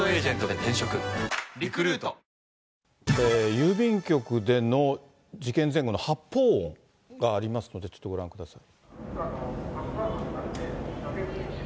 郵便局での事件前後の発砲音がありますので、ちょっとご覧ください。